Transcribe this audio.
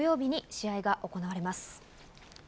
明日土曜日に試合が行われます。